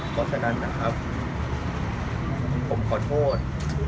เพราะฉะนั้นผมขอโทษ